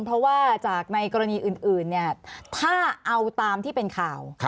เพราะว่าจากในกรณีอื่นถ้าเอาตามที่เป็นข่าว